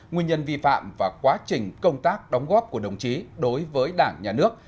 nguyên nhân vi phạm và quá trình công tác đóng góp của đồng chí đối với đảng nhà nước